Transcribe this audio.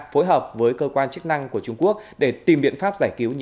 phối hợp với cơ quan chức năng của trung quốc để tìm biện pháp